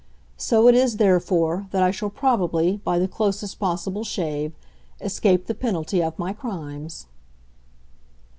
So it is, therefore, that I shall probably, by the closest possible shave, escape the penalty of my crimes."